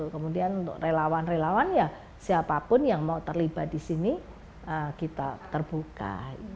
kemudian untuk relawan relawan ya siapapun yang mau terlibat di sini kita terbuka